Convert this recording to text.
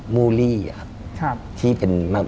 มุรีอะที่เป็นมาก